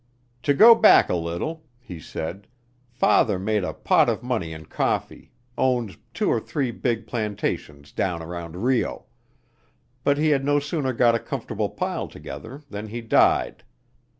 "To go back a little," he said, "father made a pot of money in coffee owned two or three big plantations down around Rio; but he had no sooner got a comfortable pile together than he died.